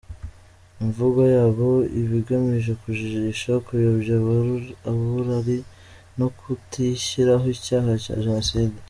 Imvugo yabo iba igamije kujijisha, kuyobya uburari no kutishyiraho icyaha cya Jenoside.